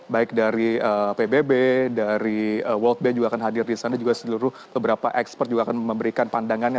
baik dari pbb dari world bank juga akan hadir di sana juga seluruh beberapa expert juga akan memberikan pandangannya